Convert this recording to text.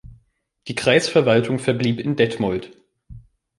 Die Kreisverwaltung verblieb in Detmold.